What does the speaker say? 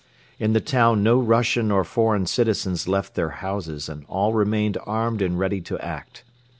In the town no Russian or foreign citizens left their houses and all remained armed and ready to act.